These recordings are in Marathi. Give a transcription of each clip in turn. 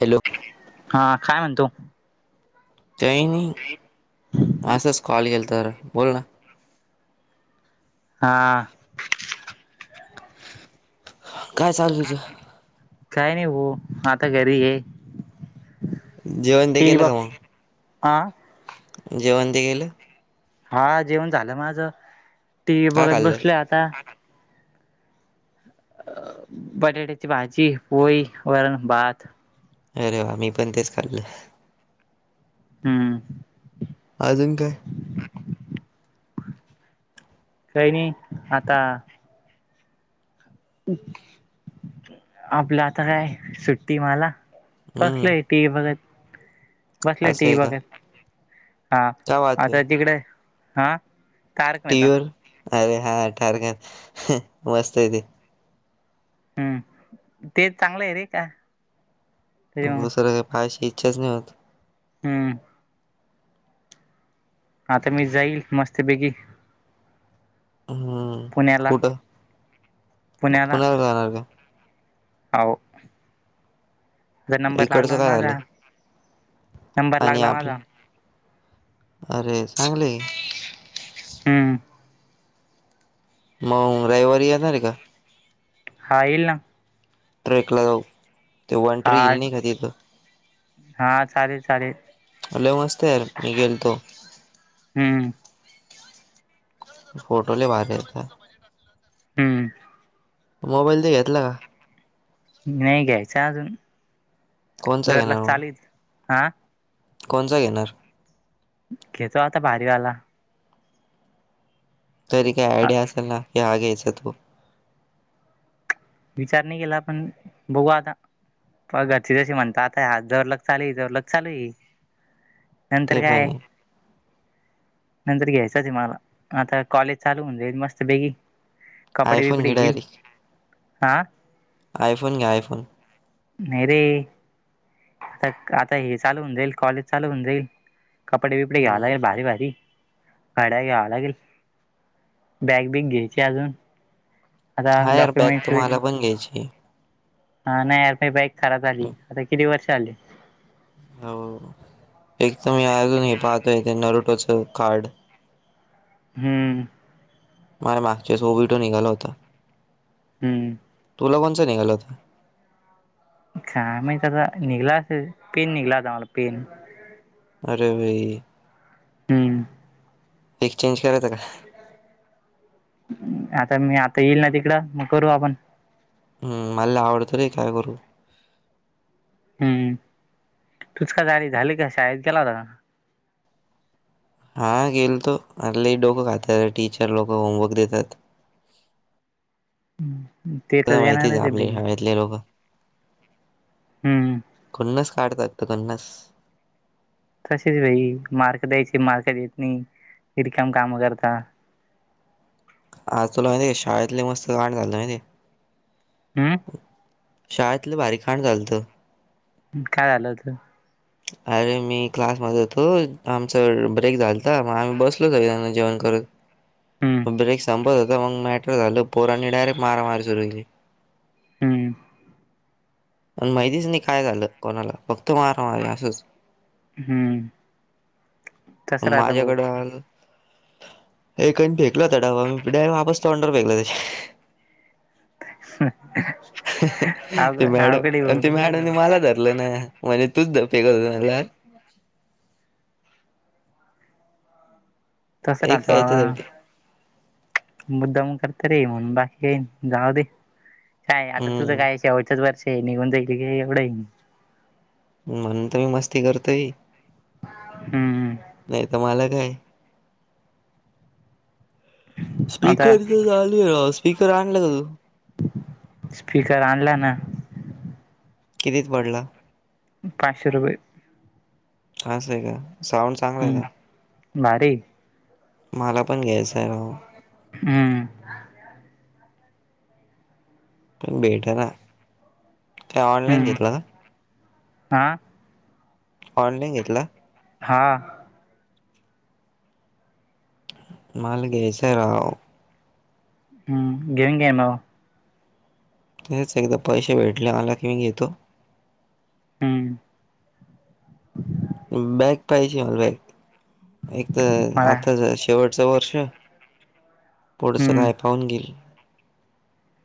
हॅलो... हा काय म्हणतो? काही नाही असाच कॉल केलता बोल ना.... हा... काय चालू तुझ. काही नाही हो आता घरी आहे.... जेवण ते केलं का म आं जेवण ते गेलं हा जेवण झालं माझ टी व्ही काय बघत खाल्लं बसल आता अ बटाट्याची भाजी पोई वरण भात अरे वा मी पण तेच खाल्लं हम्म अजून काय काही नाही आता आपलं आता काय सुट्टी मला कसलं हम्म आहे ते वगत बसले असं टी आहे का बगैर हा काय वाहतोय आता तिकडे हा तारक मेहता टीर अरे हा ठारखण मस्त आहे ते हम्म ते चांगलं आहे रे का तरी मग दुसरं काही पाहायची इच्छाच नाही होत हम्म आता मी जाईल मस्तपैकी हम्म पुण्याला कुठं म पुण्याला पुण्या जाणार का हो नंबर इकडचं लागला ना काय झालं माझा नंबर आणि लागला माझा आपलं अरे सांगले हम्म मग रविवारी येणार रे का हा येईल ना ट्रेकला जाऊ ते हा वनटरी येईल नाही का तिथं हा चालेल चालेल हॅल मस्त यार मी गेलतो हम्म फोटोले भार येत हम्म मोबाईल तर घेतला का नाही घ्यायचं अजून कोणचा दरलाख चालीस हा कोणसा घेणार घेतो आता भारीवाला तरी काही हा आयडिया असेल ना की हा घ्यायचा तू विचार नाही केला आपण बघू आता पघरची जशी म्हणता आता जरलग चालू दरलग चालू आहे नंतर ते पण काय आहे नंतर घ्यायचंच आहे मला आता कॉलेज चालू होऊन जाईल मस्त बेगी आयफोन घे डायरी हा आयफोन घे आयफोन नाही रे आता आता हे चालू होऊन जाईल कॉलेज चालू होऊ जाईल कपडे बिपडे घ्यावे हम्म आहेत लागल भारी भारी [unintelligible] घ्यावा लागेल बॅग बीग घ्यायची अजून आता हा यार बॅग डॉक्युमेंट्स तर माला पण घ्यायचीये हा नाही यार काय बाईक खराब झाली आता किती वर्ष झाली हो एक तर मी अजूनही पाहतो आहे ते नरुटोचं कार्ड हम् माझ्या मागच्या वेळीस [unintelligible] निघाला होता हम्म तुला कोणचा निघाला होता काय माहित आता निघला असेल पेन निघला होता मला पेन अरे [unintelligible] हम्म एक्सचेंज करायचं का आता मी आता येईल ना तिकडं मग करू आपण हम् मला लई आवडत रे काय करू हम्म तूच का झारी झाली का शाळेत गेला होता हा गेलतो अरं लई डोकं खाता टीचर लोकं होमवर्क देतात ते तुला तर माहितीच देणारच आहे आपले भाई शाळेतले लोक हम् हम खुन्नस काढता ते खुन्नस कशाचे भाई मार्क द्यायचे मार्क देत नाही रिकामे काम करता आज तुला माहिती आहे का शाळेतले मस्त [unintelligible] हम्म शाळेत लई भारी कांड झालत काय झालं होत अरे मी क्लास मध्ये होतो आमचा ब्रेक झालता मग आम्ही बसलो सगळे जण जेवण करत हम्म मग ब्रेक संपत होता मग मॅटर झालं पोरांनी डायरेक्ट मारामारी सुरू केली हम्म मग माहितीच नाही काय झालं कोणाला फक्त मार असच हम्म तसं राहतं भाऊ माझ्याकड आलं एकाने फेकला होता डब्बा मी डायरेक्ट वापस तोंडावर फेकला त्याच्या हम ते मॅडम आणि ते मॅडमने मला धरलं ना म्हणजे तूच डबे फेकत होता म्हणलं हा तस राहतो एका बावा याच्यासाठी मुद्दामहून करता रे [unintelligible] बाकी काही जाऊ दे काय आता तुझं हम्म काय शेवटंचच वर्ष आहे निघून जाईल ते काय एवढं आहे म्हणून तर मी मस्ती करतोय हम्म हम्म नाही तर मला काय आता स्पीकरच चालू आहे राव स्पीकर आणला का तू स्पीकर आणला ना कितीत पडला पाचशे रुपये आस का साऊंड चांगला आहे का हम्म भारी मला पण घ्यायचं आहे भो हम्म पण भेट ना काय ऑनलाईन घेतलं ना आ ऑनलाईन घेतला हा मला घ्यायचाय राव हम्म घेऊन घे मग तेच एकदा पैसे भेटले माला कि म घेतो हम्म बॅग पाहिजे मला बॅग एक तर मला आताच शेवट शेवटचचं वर्ष पुढचं हम्म काय पाहून घेईल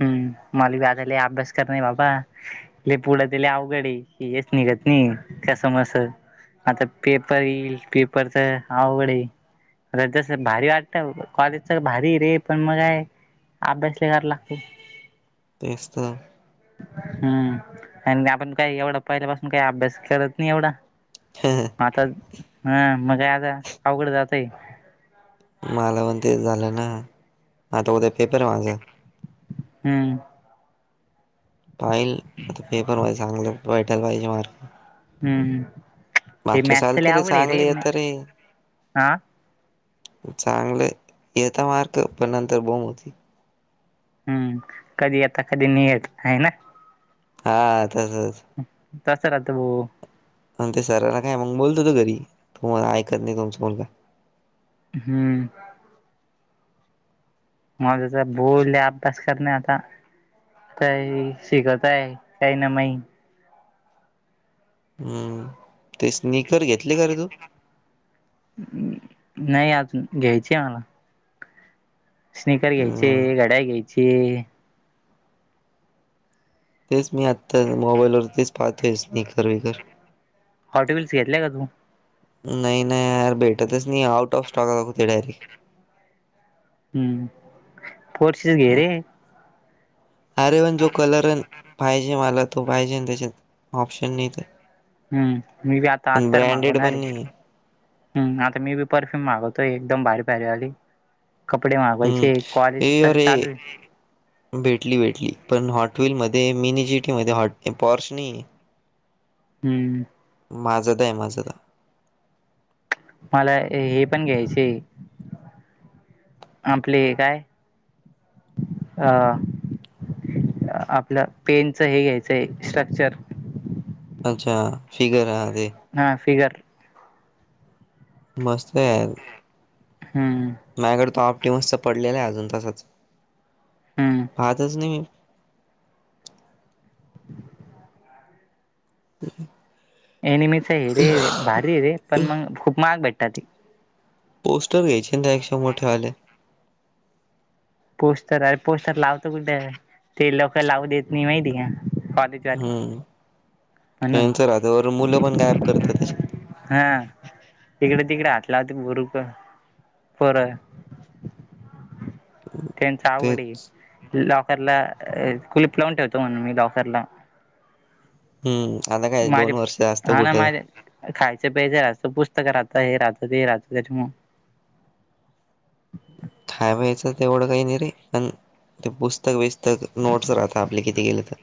हम्म मला आज माले लई अभ्यास करणय बाबा पुढ तर लइ अवघड हे हेच निघत नाही कस मस आता पेपर येईल पेपर तर आवड जस भारी वाटत कॉलेजच भारी रे पण मगा आहे अभ्यासले कला ह तेसत हम्म आणि आपण काही एवढा पहिल्या पाासून काही अभ्यास करत नाही एवढा हा ह आता हं मग काय आता अवघड जातय मला पण ते झालं ना आता उद्या पेपर आहे माझा हम्म पाहिल आता पेपर व चांगलं भैटायला पाहिजे मार्क हम्म हे मागे मॅथच लय चालते रे अवघड चांगली आहे त रे हा चांगलं येता मार्क पण नंतर बम होती हम्म कधी आता कधी नियेत आहे ना हा तसच तसं राहतं भाो आणि ते सरांला काय मग बोलतो तो घरी तू ऐकत नाही तुमचा मुलग हम्म मझचा बोलले अभ्यास करणे आता शिकत आहे काही ना माई हम्म ते स्नकर घेतले का रे तू नाही आज घ्यायची आहे मला स्नकर घ्यायचे हम्म गड्या घ्यायचे तेच मी आत्ता मोबाईलवररतीच पाहतोय स् नकर वकर हॉटो्हील्स घेतल्याय का तू नाही नाही यार भेटतच नाही आउट ऑफ स्टॉक आता कुते डायरी हम्म पोर्शिस घे रे अरे पण जो कलर आहे पाहिजे मला तो पाहिजे त्याच्यात ऑप्शन नाही तर हम्म मी बी आता आत् पण तर ब्रँडेड मागवणार पण रे नाही आहे. हम् आता मी बी परफ्यूम मागवतोय एकदम भारी भारी आली कपडे हम्म मागवायचे ए क्ॉलेज अरे चालू आहे भेटली भेटली पण हॉटवल मध्ये मिनीजिटी मध्ये हॉट पॉर्स नाही हम्म माझं तर आहे माझं तर मला हे पण घ्यायचे आपले काय अ आपलं पेनच हे घ्यायचंय स्ट्रक्चर अच्छा फिगर ह ते हा फिगर मस्त या हम्म माझकड तो आपटीमस् पडलेलं आहे अजून तासच हम्म पाहतच नाही मी ह् एनि मच हे रे रे भारी हे रे पण मग खूप मग भेटतात ती पोस्टर घ्यायचे ना एकक्षे मोठेवाले पोस्टर अरे पोस्टर लावतो कुठे ते लोक लावू देत नाही माहिती का कॉलेजवाले म्हणून. हम्मच रात मुलं पण गायब करत त्याच्यात हा तिकडे तिकडे हातल्या हो बर पर त्यांचा आवडी तेच लॉकरला कुलप लावून ठेवतो म्हणून मी लॉकरला हम्म आता काय माझे दोन वर्षस्त हा ना कुठं माझे खायचं प्याय राहतं पुस्तक राहतं हे राहतं ते राहतं त्याच्या म खाय व्यायचं तेवढं काही नाही रे पण ते पुस्तक बिस्तक नोट्स राहत आपले किती गेलं तर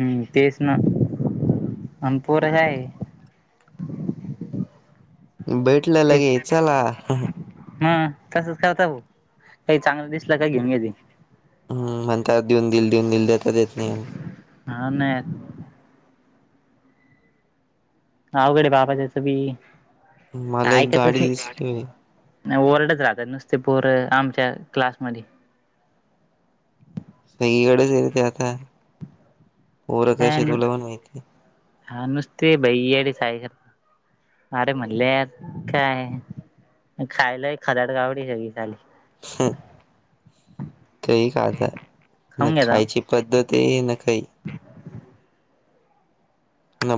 हम्म तेस ना अमपोर ह आहे भेटलं लगे चला तसच खता भाऊ काही चांगलं दिसलं का घेऊ घेत हम् म्हणताात देऊन दिल देऊन दिल दता देत नाही हा नाही अवकडे बाबाच्याचं बी मला एक गाडी ऐकतच दिसली नाही ओरडच राहतात नुसते पोरं आमच्या क्लासमध्ये सगईकडेच य ते आता होरं कशी तुला पण माहिती हा नुसते बै अडी सा अरे म्हणले काय खायला खदाड ग आवडी सगळी ली काही काात न खाऊन घ्याता खायची पद्धती न काही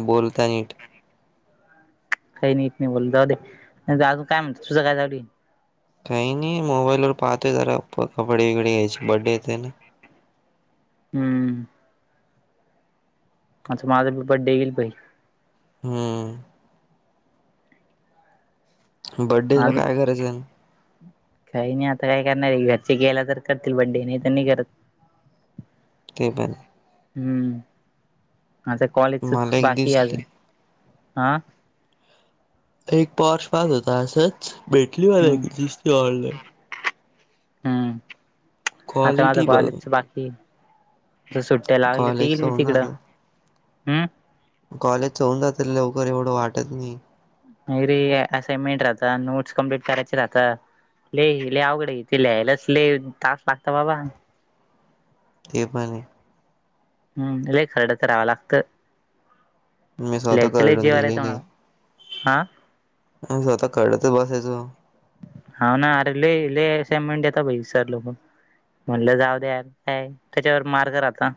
बोलता नीट काही नाहीत नाही बोल जाऊ दे अजून काय म्हणत तुझं काय जावडी काही नाही मोबाईलवरर पाहतोय जरा कपडे विकडे यायची बड्डे येते ना हम्म मां माझा बड्डे गेल हम्म बड्डेला अजून काय करायचं आहे काही नाही आता काय करणार घरचे गेला तर करतील बड्डे नाही तर नाही करत ते पल हम्म आता कॉलेजचच मला एक बाकी अजून दिसली हा एक पॉर्स पात होता असंच भेटली मला हम्म की दििसती डले हम्म माथ माझ क्वालिटी क बघ लच बाकी तट्ट ्या लागले ते येईल कॉलेजच मी होणार तिकडं हम्म कॉलेज होऊन जातील लवकर एवढं वाटत नाही नाही रे असाइनमेंट राहत नोट्स कम्प्लीट करायचे राहत लले ल आवघडथ लिहायलाच लले तास लागत बाबा ते पण हम्म ल खरड तर राहावं लागतं मी स्वतः लहायचं लय करडून जेवाार दिलेले आहेेत मला हा अ स्वतः कडत बसायचो. हा ना अरे लय लय समेंटता भाई वि सर लोक. म्हटलं जाऊ द्याल काय त्याच्यावर मारग राहता.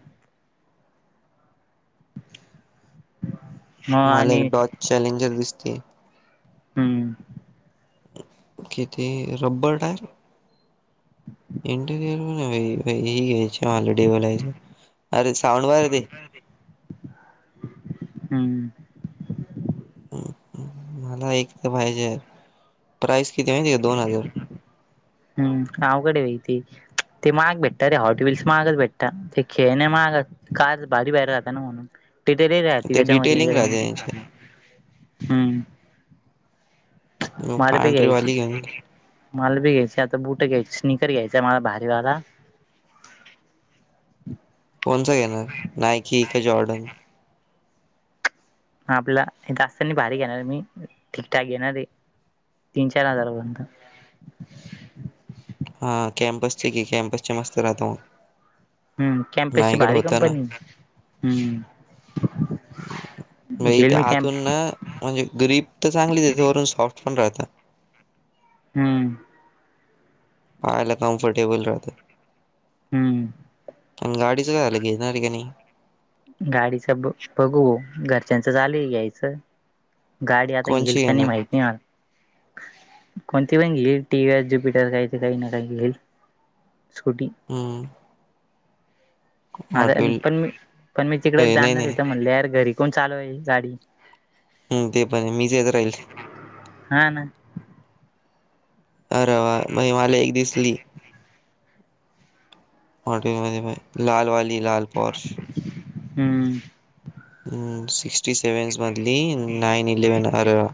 [inaudible] मग मला एक आणि डॉच चॅलेंजर दिसते. हम्म. किती रब्बर टायर इंटिरियर पण, ह घ्यायच्या हॉलिडे बलायच अरे साऊंड वर ते. हम्म. मला एक तर पाहिजे प्राईस किती माहिती आहे दोन हजार. हम्म गावकडे वहि ती. ते महाग भेटत रे हॉट वल्स महागच भेटत ते खेळणे महाग अस कार भारी बाहेर राह ना म्हणून टिटर राह ते डिटेलिंग त्याच्यामध्ये. राहते त्यांचे हम्म. मला बी घ्यायची. पांढरीवाली घेऊन मला बी घ्यायची, आता बुटं घ्यायची स्निकर घ्यायचा मला भारीवाला. कोणचा घेणार नायकी का जॉर्डन? आपला जास्त नाही भारी घेणार मी ठीकठाक घेणारये. तीन चार हजारापर्यंत. हा कॅम्पसचे घे कॅम्पसचे मस्त राहतो मग. हम्म कॅम्पसची माझ्याकडे भारी होता ना कंपनी हम्म. [unintelligible] घेईल ते मी कॅम्प आतून म्हणजे ग्रीप त चांगली देते वरून सॉफ्ट पण राहतं. हम्म. [unintelligible] कंफर्टेबल राहते, हम्म पण गाडीचं काय झालं घेणारे काय नाही? गाडीच ब बघू घरच्यांच झालंय घ्यायचं गाडी आता येईल कोणची काय नाही घेणार माहित नाही मला. कोणती पण घेईल टी. वीस ज्युपिटर काही ते काही ना काही घेईल. स्कूटी हम्म. हॉट व्हील [unintelligible] पण मी पण मी तिकड ते नाही जाणार हे नाही त म्हणले यार घरी कोण चालवाय गाडी? हम्म ते पण हे मीच येत राहील. हा ना. आरे वा बाई मला एक दिसली हॉटेल मध्ये लाल वाली लाल पोरश हम्म. सिक्स्टी सेव्हन्स मधली नाईन इलेव्हन आरे वा.